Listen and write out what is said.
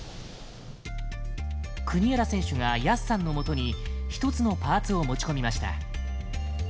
国枝選手が安さんの元にひとつのパーツを持ち込みました。